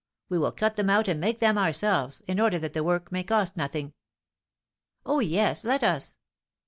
We will cut them out and make them ourselves, in order that the work may cost nothing." "Oh, yes, let us."